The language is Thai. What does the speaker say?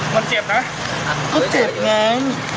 มันเจ็บไหมก็เจ็บไง